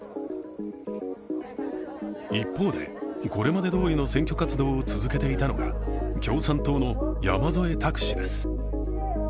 一方で、これまでどおりの選挙活動を続けていたのが共産党の山添拓氏です。